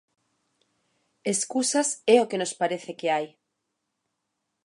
Escusas é o que nos parece que hai.